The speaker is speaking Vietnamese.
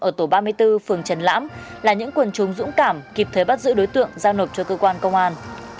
ở tổ ba mươi bốn phường trần lãm là những quần chúng dũng cảm kịp thời bắt giữ đối tượng giao nộp cho cơ quan công an